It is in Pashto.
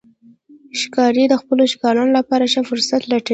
ښکاري د خپلو ښکارونو لپاره ښه فرصت لټوي.